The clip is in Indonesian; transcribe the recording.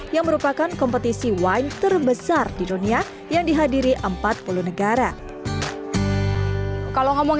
yang merupakan kompetisi wine terbesar di dunia yang dihadiri empat puluh negara kalau ngomong